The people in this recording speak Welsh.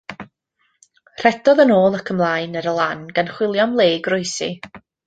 Rhedodd yn ôl ac ymlaen ar y lan gan chwilio am le i groesi.